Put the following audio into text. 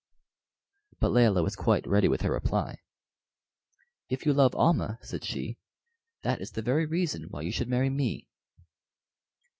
But Layelah was quite ready with her reply. "If you love Almah," said she, "that is the very reason why you should marry me."